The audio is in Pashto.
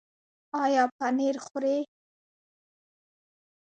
ایا پنیر خورئ؟